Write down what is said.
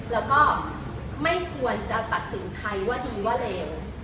แล้วก็ไม่ควรจะตัดสินใครว่าดีว่าเลว